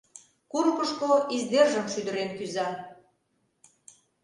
Курыкышко издержым шӱдырен кӱза.